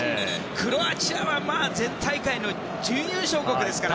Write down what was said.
クロアチアはまあ、前大会の準優勝国ですから。